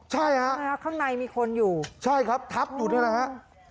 ใช่ฮะข้างในมีคนอยู่ใช่ครับทับอยู่นี่แหละฮะ